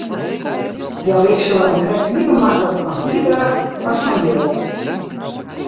Hja wikselen krekt like maklik fan hierdracht as fan jurk.